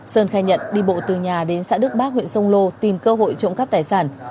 sơn khai nhận đi bộ từ nhà đến xã đức bác huyện sông lô tìm cơ hội trộm cắp tài sản